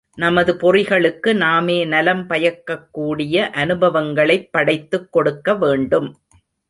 நமது பொறிகளுக்கு நாமே நலம் பயக்கக்கூடிய அனுபவங்களைப் படைத்துக் கொடுக்க வேண்டும்.